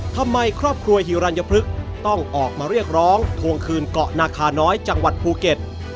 ครอบครัวฮิวรัญพฤกษ์ต้องออกมาเรียกร้องทวงคืนเกาะนาคาน้อยจังหวัดภูเก็ต